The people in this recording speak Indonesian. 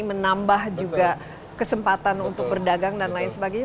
menambah juga kesempatan untuk berdagang dan lain sebagainya